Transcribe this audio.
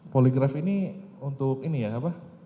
poligraf ini untuk ini ya apa